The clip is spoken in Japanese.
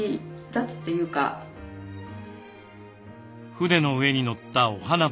船の上にのったお花畑。